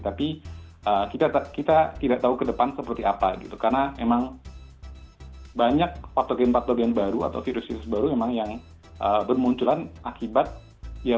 tapi kita tidak tahu ke depan seperti apa gitu karena memang banyak patogen patogen baru atau virus virus baru memang yang bermunculan akibat ya